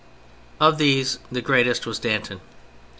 Of these the greatest was Danton.